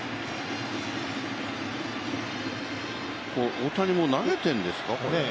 大谷も投げてるんですか？